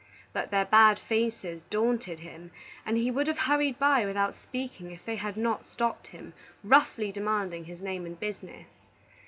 But their bad faces daunted him, and he would have hurried by without speaking if they had not stopped him, roughly demanding his name and business.